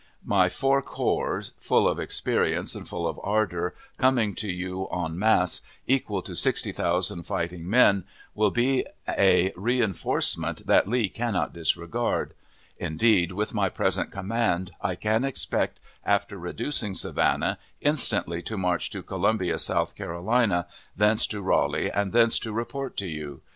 My four corps, full of experience and full of ardor, coming to you en masse, equal to sixty thousand fighting men, will be a reenforcement that Lee cannot disregard. Indeed, with my present command, I had expected, after reducing Savannah, instantly to march to Columbia, South Carolina; thence to Raleigh, and thence to report to you.